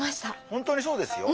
本当にそうですよ。